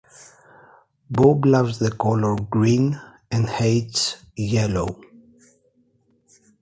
Bob loves the color green and hates yellow.